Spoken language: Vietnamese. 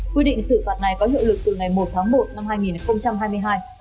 quy định xử phạt này có hiệu lực từ ngày một tháng một năm hai nghìn hai mươi hai